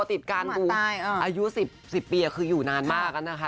ติดการอายุสิบสิบปีอะคืออยู่นานมากอ่ะนะคะ